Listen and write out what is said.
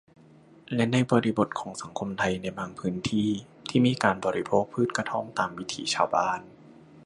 และบริบทของสังคมไทยในบางพื้นที่ ที่มีการบริโภคพืชกระท่อมตามวิถีชาวบ้าน